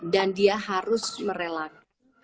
dan dia harus merelaki